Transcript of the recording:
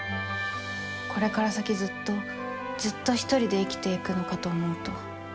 これから先ずっとずっとひとりで生きていくのかと思うと。